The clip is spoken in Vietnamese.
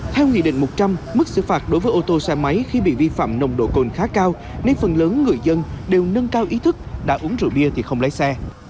theo nghị định một trăm linh mức xử phạt đối với ô tô xe máy khi bị vi phạm nồng độ cồn khá cao nên phần lớn người dân đều nâng cao ý thức đã uống rượu bia thì không lái xe